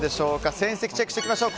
戦績チェックしていきましょう。